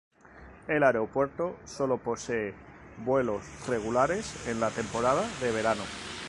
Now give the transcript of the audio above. El aeropuerto sólo posee vuelos regulares en la temporada de verano.